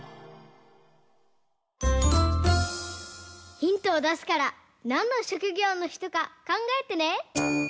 ヒントをだすからなんのしょくぎょうのひとかかんがえてね！